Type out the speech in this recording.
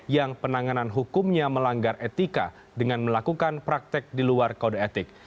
yang penanganan hukumnya melanggar etika dengan melakukan praktek di luar kode etik